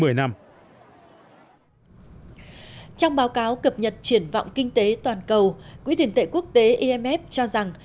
trong báo cáo cập nhật triển vọng kinh tế toàn cầu quỹ tiền tệ quốc tế imf cho rằng